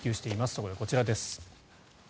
そこで、こちらです。